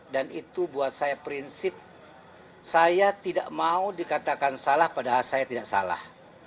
dan itu buat saya prinsip saya tidak mau dikatakan salah padahal saya tidak salah